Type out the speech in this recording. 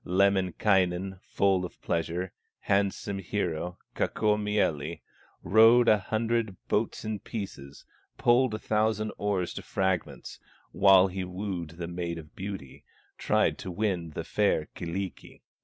Lemminkainen, full of pleasure, Handsome hero, Kaukomieli, Rowed a hundred boats in pieces, Pulled a thousand oars to fragments, While he wooed the Maid of Beauty, Tried to win the fair Kyllikki.